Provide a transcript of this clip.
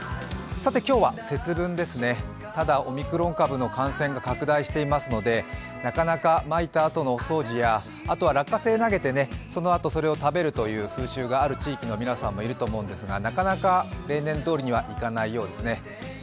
今日は、節分ですねただオミクロン株の感染が拡大していますのでなかなか、まいたあとのお掃除やあとは落花生を投げて、そのあとそれを食べるという風習がある地域の皆さんもいると思いますが、なかなか例年どおりにはいかないようですね。